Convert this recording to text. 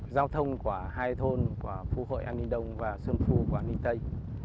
giao thông của hai thôn của phú hội an ninh đông và xuân phu của quảng ninh tây